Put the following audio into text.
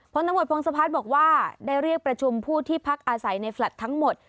พร้อมทั้งหมดพร้อมสภาพบอกว่าได้เรียกประชุมผู้ที่พักอาศัยในแฟลต์ทั้งหมด